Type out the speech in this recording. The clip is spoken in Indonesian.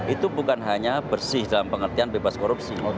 itu bukan hanya bersih dalam pengertian bebas korupsi